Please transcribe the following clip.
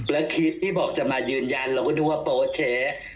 แล้วคลิปที่บอกจะมายืนยันเราก็ดูว่าโป๊เช๊